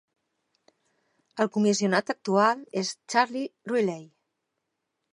El comissionat actual és Charlie Riley.